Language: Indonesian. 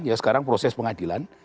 ya sekarang proses pengadilan